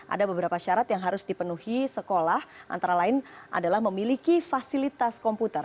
ada beberapa syarat yang harus dipenuhi sekolah antara lain adalah memiliki fasilitas komputer